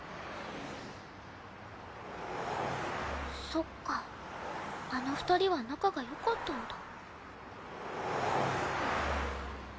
そっかあの２人は仲が良かったんだ。